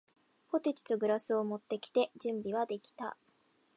ポテチとグラスを持ってきて、準備はできた。